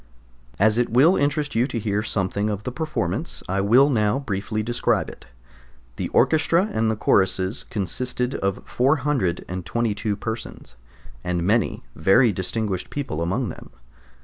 As it will interest you to hear something of the performance, I will now briefly describe it. The orchestra and choruses consisted of 422 persons, and many very distinguished people among them.